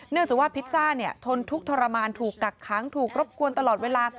จากว่าพิซซ่าทนทุกข์ทรมานถูกกักค้างถูกรบกวนตลอดเวลา